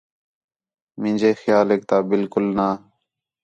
مینجے کھیالیک تا بالکل نہ